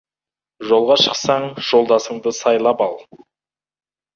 Жолға шықсаң, жолдасыңды сайлап ал.